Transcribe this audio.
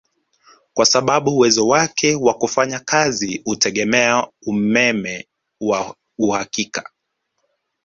Kwa sababu uwezo wake wa kufanya kazi hutegemea umeme wa uhakika